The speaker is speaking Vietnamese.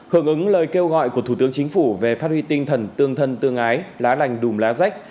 hưởng ứng lời kêu gọi của thủ tướng chính phủ về phát huy tinh thần tương thân tương ái lá lành đùm lá rách